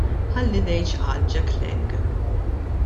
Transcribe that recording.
Ħalli ngħid x'qal Jack Lang.